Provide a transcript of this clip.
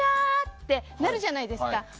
ってなるじゃないですか。